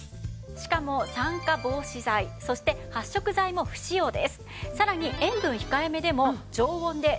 しかも酸化防止剤そして発色剤も不使用です。